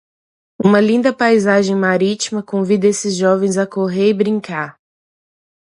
Uma linda paisagem marítima convida esses jovens a correr e brincar.